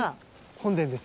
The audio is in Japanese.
本殿です。